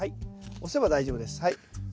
押せば大丈夫ですはい。